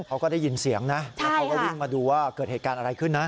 เขาก็ได้ยินเสียงนะแล้วเขาก็วิ่งมาดูว่าเกิดเหตุการณ์อะไรขึ้นนะ